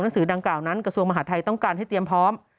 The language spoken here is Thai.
สือดังกล่าวนั้นกระทรวงมหาทัยต้องการให้เตรียมพร้อม